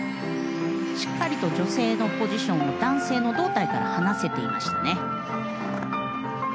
しっかりと女性のポジションを男性の胴体から離せていましたね。